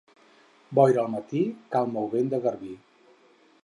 Boira al matí, calma o vent de garbí.